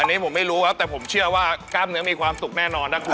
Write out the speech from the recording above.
อันนี้ผมไม่รู้ครับแต่ผมเชื่อว่ากล้ามเนื้อมีความสุขแน่นอนนะครับ